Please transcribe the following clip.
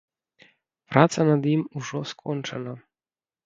Праца над ім ужо скончана.